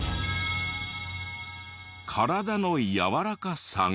体のやわらかさが。